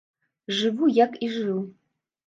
Жыву, як і жыў.